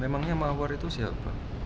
memangnya mawar itu siapa